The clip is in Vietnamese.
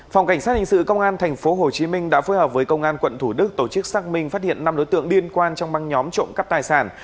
phòng cảnh sát hình sự công an thành phố hồ chí minh đã phối hợp với công an quận thủ đức tổ chức xác minh phát hiện năm đối tượng liên quan trong băng nhóm trộm cắp tài sản